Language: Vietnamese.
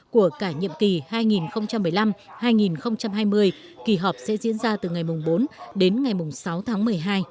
của cả nhiệm kỳ hai nghìn một mươi năm hai nghìn hai mươi kỳ họp sẽ diễn ra từ ngày bốn đến ngày sáu tháng một mươi hai